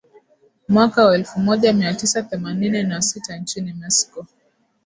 Mwaka wa elfu moja mia tisa themanini na sita nchini Mexico